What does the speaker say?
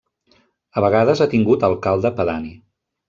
A vegades ha tingut Alcalde pedani.